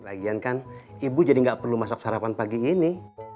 lagian kan ibu jadi nggak perlu masak sarapan pagi ini